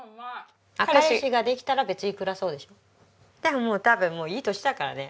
でも多分もういい年だからね。